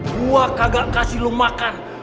gua kagak kasih lu makan